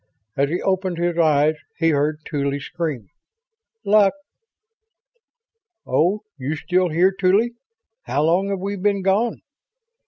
As he opened his eyes he heard Tuly scream: "... Luck!" "Oh you still here, Tuly? How long have we been gone?"